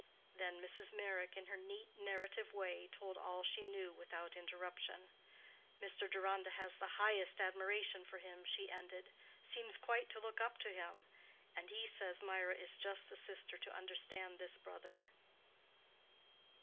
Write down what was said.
Then Mrs. Meyrick, in her neat, narrative way, told all she knew without interruption. "Mr. Deronda has the highest admiration for him," she ended—"seems quite to look up to him. And he says Mirah is just the sister to understand this brother."